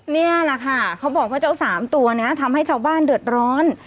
นี่แหละค่ะเขาบอกว่าเจ้าสามตัวนี้ทำให้ชาวบ้านเดือดร้อน